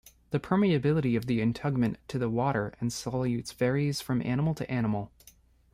The permeability of the integument to water and solutes varies from animal to animal.